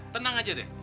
tenang aja deh